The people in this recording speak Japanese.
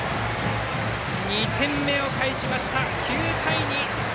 ２点目を返して９対２！